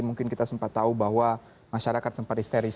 mungkin kita sempat tahu bahwa masyarakat sempat histeris